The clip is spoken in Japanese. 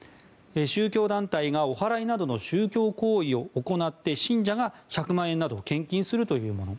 宗教団体がおはらいなどの宗教行為を行って信者が１００万円など献金するというもの。